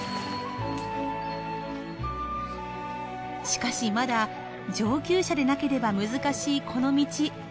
しかしまだ上級者でなければ難しいこの道。